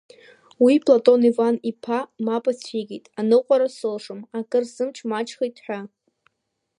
Уи Платон Иван-иԥа мап ацәикит, аныҟәара сылшом, акыр сымч маҷхеит ҳәа.